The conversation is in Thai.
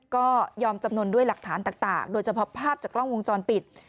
ก็ยอมจำนวนด้วยหลักฐานต่างโดยเฉพาะภาพจากกล้องวงจรปิด